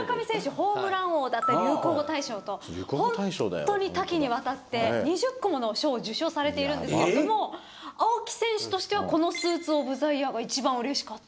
ホームラン王だったり流行語大賞とホントに多岐にわたって２０個もの賞を受賞されているんですけれども青木選手としてはこのスーツ・オブ・ザ・イヤーが一番うれしかったと？